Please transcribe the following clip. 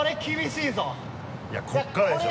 いやここからでしょ。